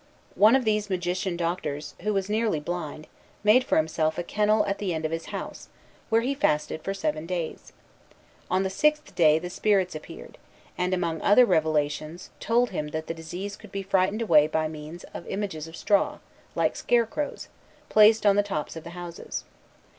One of these magician doctors, who was nearly blind, made for himself a kennel at the end of his house, where he fasted for seven days. On the sixth day the spirits appeared, and, among other revelations, told him that the disease could be frightened away by means of images of straw, like scarecrows, placed on the tops of the houses.